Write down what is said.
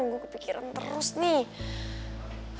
gua kepikiran terus nih